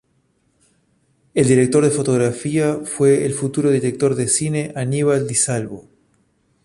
El director de fotografía fue el futuro director de cine Aníbal Di Salvo.